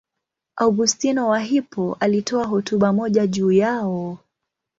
Augustino wa Hippo alitoa hotuba moja juu yao.